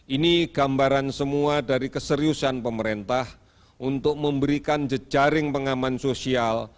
ini gambaran semua dari keseriusan pemerintah untuk memberikan jejaring pengaman sosial